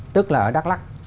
tức là ở đắk lắc